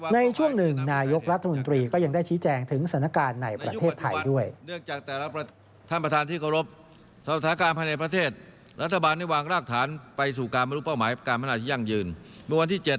ในช่วงหนึ่งนายกรัฐมนตรีก็ยังได้ชี้แจงถึงสถานการณ์ในประเทศไทยด้วย